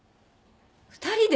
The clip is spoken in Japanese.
２人で！？